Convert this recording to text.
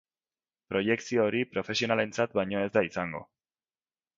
Proiekzio hori profesionalentzat baino ez da izango.